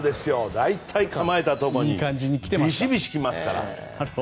大体構えたところにビシビシ来ますから。